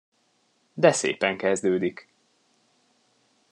De szépen kezdődik!